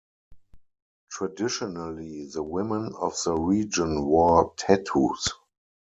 Traditionally the women of the region wore tattoos.